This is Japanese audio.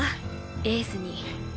エースに。